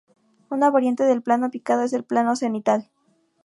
Una variante del plano picado es el plano cenital.